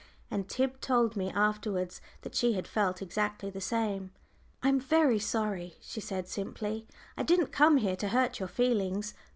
And Tib told me afterwards that she had felt exactly the same. "I'm very sorry," she said, simply; "I didn't come here to hurt your feelings.